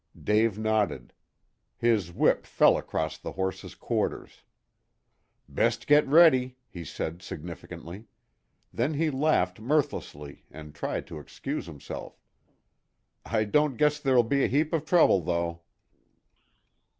Dave nodded. His whip fell across his horses' quarters. "Best get ready," he said significantly. Then he laughed mirthlessly and tried to excuse himself. "I don't guess there'll be a heap of trouble, though."